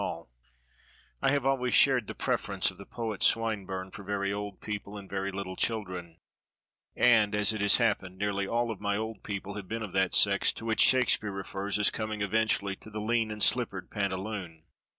Hall I have always shared the preference of the poet Swinburne for very old people and very little children, and, as it has happened, nearly all of my old people have been of that sex to which Shakespeare refers as coming eventually to the 'lean and slippered pantaloon.'